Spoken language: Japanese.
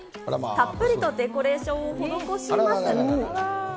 たっぷりとデコレーションを施します。